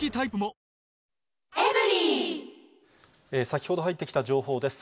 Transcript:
先ほど入ってきた情報です。